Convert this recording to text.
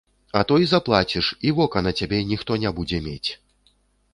А то і заплаціш, і вока на цябе ніхто не будзе мець.